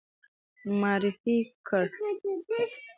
معرفي کړ.